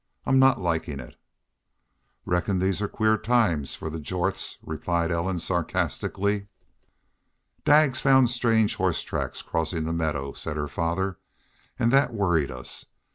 I'm not likin' it." "Reckon these are queer times for the Jorths," replied Ellen, sarcastically. "Daggs found strange horse tracks crossin' the meadow," said her father. "An' that worried us.